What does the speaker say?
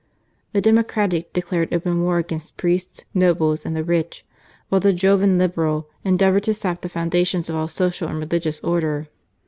The Democracia declared open war against priests, nobles, and the rich ; while the Joven Liberal endeavoured to sap the foundations of all social and religious order.